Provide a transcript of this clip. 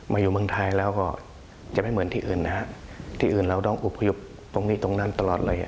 อยู่เมืองไทยแล้วก็จะไม่เหมือนที่อื่นนะฮะที่อื่นเราต้องอบพยพตรงนี้ตรงนั้นตลอดเลย